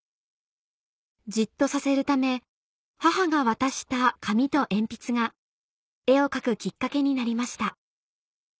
じっとさせるため母が渡した紙と鉛筆が絵を描くきっかけになりました